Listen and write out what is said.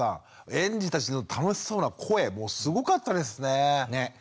園児たちの楽しそうな声もうすごかったですね。ね！